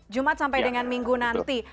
jumat sampai dengan minggu nanti